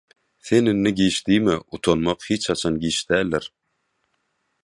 Sen indi giç diýme, utanmak hiç haçan giç däldir.“